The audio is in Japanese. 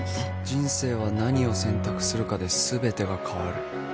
人生は何を選択するかで全てが変わる。